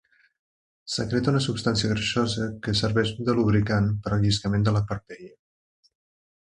Secreta una substància greixosa que serveix de lubricant per al lliscament de la parpella.